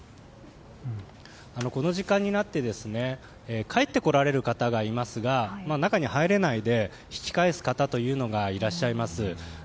この時間になって帰ってこられる方がいますが中に入れないで引き返す方というのがいらっしゃいます。